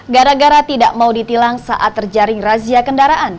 gara gara tidak mau ditilang saat terjaring razia kendaraan